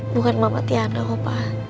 bukan mama tiana kok pak